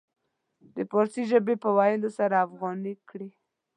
د فارسي ژبې په ويلو سره افغاني کړي.